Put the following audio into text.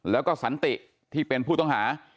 แล้วก็สันติที่เป็นผู้ต้องหา